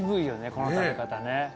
この食べ方ね。